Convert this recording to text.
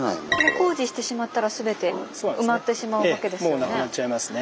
工事してしまったら全て埋まってしまうわけですよね。